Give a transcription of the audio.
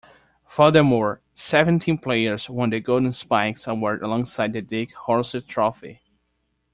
Furthermore, seventeen players won the Golden Spikes Award alongside the Dick Howser Trophy.